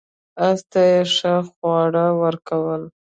اس ته یې ښه خواړه ورکول.